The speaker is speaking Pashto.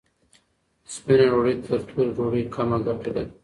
سپینه ډوډۍ تر تورې ډوډۍ کمه ګټه لري.